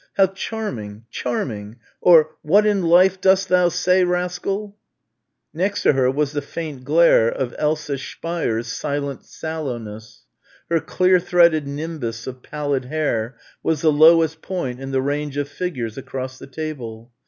"How charming, charming," or "What in life dost thou say, rascal!" Next to her was the faint glare of Elsa Speier's silent sallowness. Her clear threaded nimbus of pallid hair was the lowest point in the range of figures across the table.